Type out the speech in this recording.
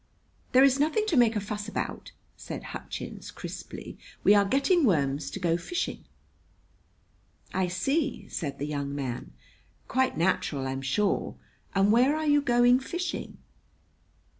"There is nothing to make a fuss about!" said Hutchins crisply. "We are getting worms to go fishing." "I see," said the young man. "Quite natural, I'm sure. And where are you going fishing?"